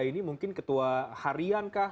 ini mungkin ketua harian kah